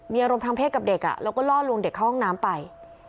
มีอารมณ์ทางเพศกับเด็กแล้วก็ล่อลวงเด็กเข้าห้องน้ำไป